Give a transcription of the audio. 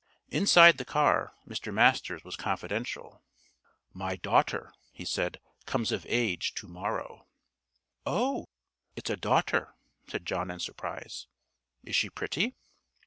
Inside the car Mr. Masters was confidential. "My daughter," he said, "comes of age to morrow." "Oh, it's a daughter?" said John in surprise. "Is she pretty?"